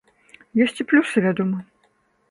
Ёсць і плюсы, вядома.